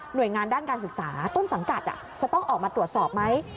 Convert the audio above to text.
โดยงานด้านการศึกษาต้นสังกัดจะต้องออกมาตรวจสอบไหม